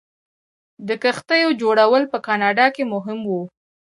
د کښتیو جوړول په کاناډا کې مهم و.